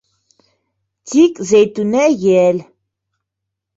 Тик Зәйтүнә йәл.